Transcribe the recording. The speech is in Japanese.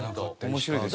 面白いですよね。